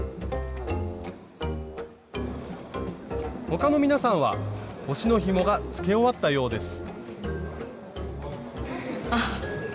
他の皆さんは「腰のひも」がつけ終わったようです